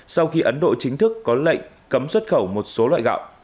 sau khi ấn độ chính thức có lệnh cấm xuất khẩu một số loại gạo